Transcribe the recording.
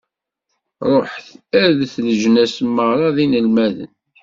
Ṛuḥet, rret leǧnas meṛṛa d inelmaden.